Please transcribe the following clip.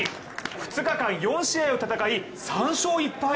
２日間、４試合を戦い３勝１敗。